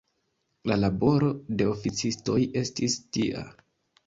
La laboro de oficistoj estis tia.